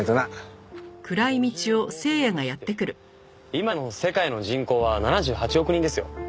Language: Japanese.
今の世界の人口は７８億人ですよ。